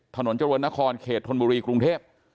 ถนนเจริญนครเขตธนบุรีกรุงเทพ